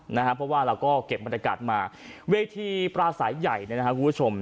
เพราะว่าเราก็เก็บบรรยากาศมาเวทีปลาสายใหญ่นะครับคุณผู้ชม